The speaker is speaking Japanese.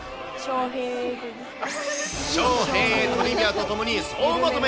翔へぇトリビアとともに総まとめ。